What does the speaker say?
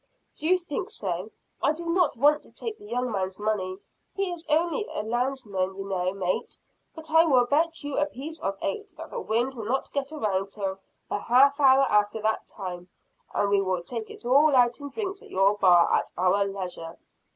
"Do you think so? I do not want to take the young man's money, he is only a landsman you know, Mate; but I will bet you a piece of eight that the wind will not get around till a half hour after that time. And we will take it all out in drinks at your bar, at our leisure."